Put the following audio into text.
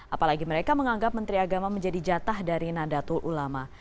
apalagi mereka menganggap menteri agama menjadi jatah dari nadatul ulama